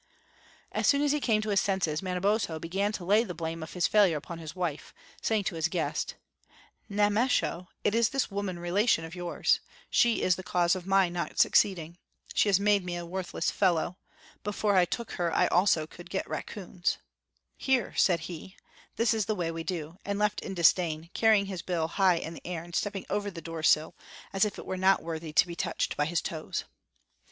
As soon as he came to his senses, Manabozbo began to lay the blame of his failure upon his wife, saying to his guest: "Nemesho, it is this woman relation of yours she is the cause of my not succeeding. She has made me a worthless fellow. Before I took her I also could get raccoons." The woodpecker said nothing, but flying on the tree, drew out several fine raccoons. "Here," said be, "this is the way we do!" and left in disdain, carrying his bill high in the air and stepping over the door sill as if it were not worthy to be touched by his toes.